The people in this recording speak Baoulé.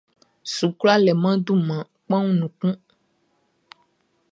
Sukula leman dunman kpanwun nun kun.